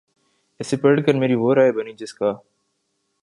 اسے پڑھ کر میری وہ رائے بنی جس کا